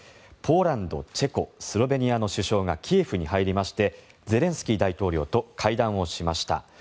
ポーランド、チェコスロベニアの首相がキエフに入りましてゼレンスキー大統領と会談をしました。